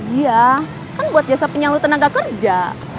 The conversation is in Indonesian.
iya kan buat jasa penyeluruh tenaga kerja